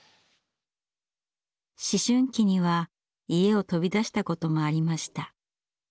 思春期には家を飛び出したこともありました。